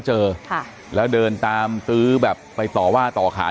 อ๋อเจ้าสีสุข่าวของสิ้นพอได้ด้วย